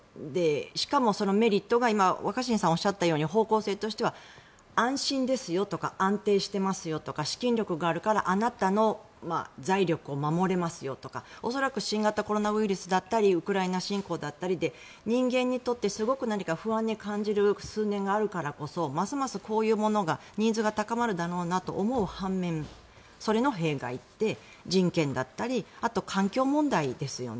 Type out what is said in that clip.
しかもそのメリットが若新さんがおっしゃったように方向性としては安心ですよとか安定してますよとか資金力があるからあなたの財力を守れますよとか恐らく新型コロナウイルスだったりウクライナ侵攻だったりで人間にとってすごく不安に感じる数年があるからこそますますこういうものがニーズが高まるだろうなと思う半面それの弊害、人権だったりあと、環境問題ですよね。